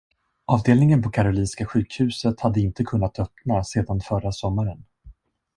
Avdelningen på Karolinska sjukhuset hade inte kunnat öppna sedan förra sommaren.